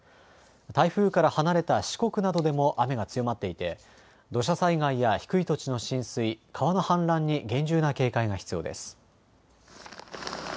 台風から離れた四国などでも雨が強まっていて土砂災害や低い土地の浸水、川の氾濫に厳重な警戒が必要です。